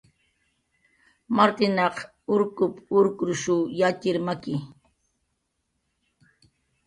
"Martinaq urkup"" urkrushu yatxir maki"